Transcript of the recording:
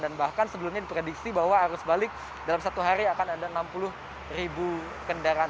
dan bahkan sebelumnya diprediksi bahwa arus balik dalam satu hari akan ada enam puluh kendaraan